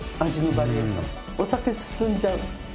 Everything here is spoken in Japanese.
お酒進んじゃう。